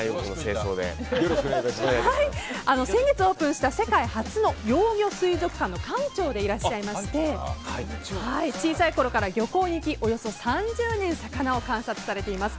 先月オープンした世界初の幼魚水族館の館長でいらっしゃいまして小さいころから漁港に行き、およそ３０年魚を観察されています。